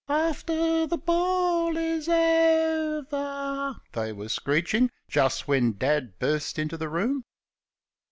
"After the ball is o ver," they were screeching just when Dad burst into the room.